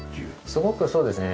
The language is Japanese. すごくそうですね。